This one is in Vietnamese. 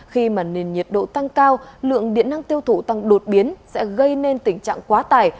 khi mà nền nhiệt độ tăng cao lượng điện năng tiêu thụ tăng đột biến sẽ gây nên tình trạng quá tải